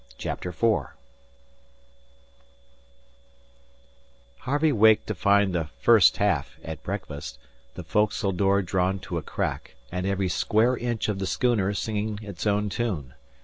CHAPTER IV Harvey waked to find the "first half" at breakfast, the foc'sle door drawn to a crack, and every square inch of the schooner singing its own tune.